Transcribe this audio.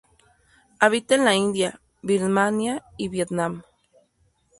Habita en la India, Birmania y Vietnam.